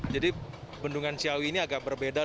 jadi bendungan ciawi ini agak berbeda